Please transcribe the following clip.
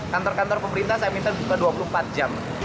kantor kantor pemerintah saya minta buka dua puluh empat jam